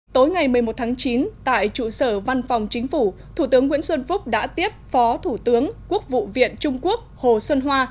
tối ngày một mươi một tháng chín tại trụ sở văn phòng chính phủ thủ tướng nguyễn xuân phúc đã tiếp phó thủ tướng quốc vụ viện trung quốc hồ xuân hoa